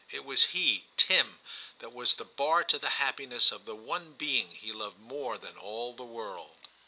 It was he, Tim, that was the bar to the happiness of the one being he loved more than all the world.